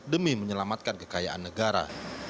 demi menyelamatkan kekayaan negara